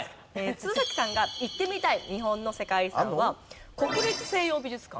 鶴崎さんが行ってみたい日本の世界遺産は国立西洋美術館。